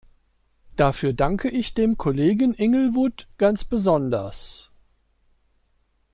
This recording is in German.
Dafür danke ich dem Kollegen Inglewood ganz besonders.